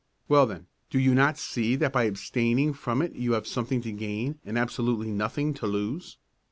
Well, then, do you not see that by abstaining from it you have something to gain and absolutely nothing to lose?